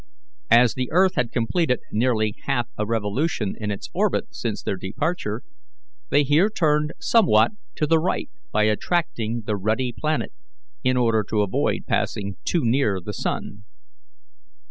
As the earth had completed nearly half a revolution in its orbit since their departure, they here turned somewhat to the right by attracting the ruddy planet, in order to avoid passing too near the sun.